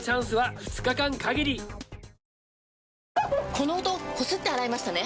この音こすって洗いましたね？